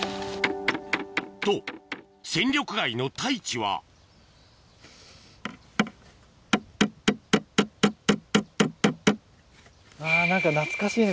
と戦力外の太一は何か懐かしいね